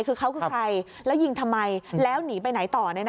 คือเขาคือใครแล้วยิงทำไมแล้วหนีไปไหนต่อ